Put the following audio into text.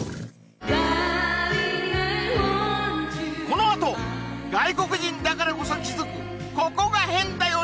このあと外国人だからこそ気づくここがヘンだよ